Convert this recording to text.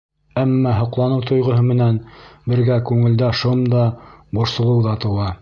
Әммә һоҡланыу тойғоһо менән бергә күңелдә шом да, борсолоу ҙа тыуа.